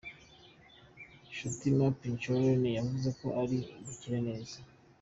Chutima Pincharoen, yavuze ko ari bukire neza.